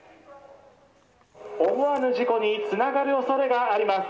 思わぬ事故につながるおそれがあります。